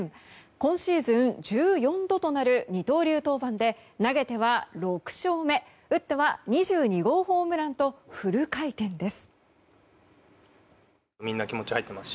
今シーズン１４度となる二刀流登板で投げては６勝目打っては２２号ホームランとフル回転です。